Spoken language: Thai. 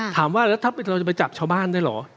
ถามว่าแล้วถ้าเราจะไปจับชาวบ้านได้เหรอ